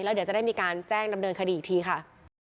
เดี๋ยวจะได้มีการแจ้งดำเนินคดีอีกทีค่ะ